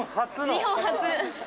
◆日本初。